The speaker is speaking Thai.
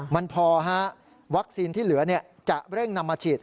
มันพอวัคซีนที่เหลือจะเร่งนำมาฉีด